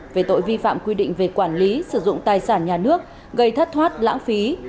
về tội vi phạm quy định về quản lý sử dụng tài sản nhà nước gây thất thoát lãng phí